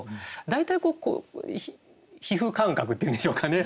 大体皮膚感覚っていうんでしょうかね。